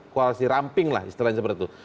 koalisi ramping lah istilahnya seperti itu